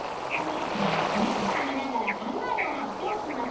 メモを見ながら考えを発表します。